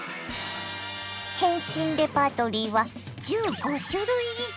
変身レパートリーは１５種類以上。